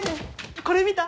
これ見た？